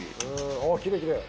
おきれいきれい。